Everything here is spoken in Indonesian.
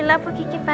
ya ampun ibu